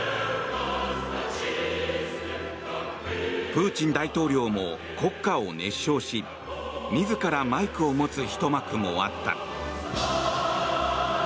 プーチン大統領も国歌を熱唱し自らマイクを持つひと幕もあった。